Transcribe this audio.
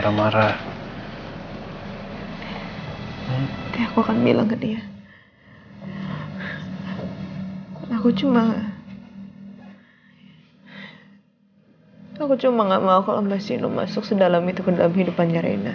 aku cuma gak mau kalau mbak sino masuk sedalam itu ke dalam kehidupan nyarina